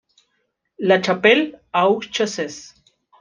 La Chapelle-aux-Chasses